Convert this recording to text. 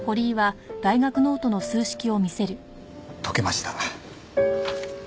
解けました。